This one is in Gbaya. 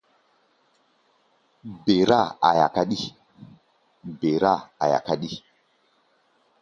Ber-áa aia káɗí.